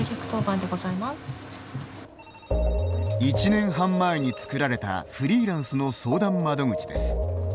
１年半前に作られたフリーランスの相談窓口です。